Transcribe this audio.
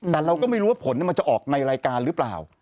แต่เราก็ไม่รู้ว่าผลมันจะออกในรายการหรือเปล่า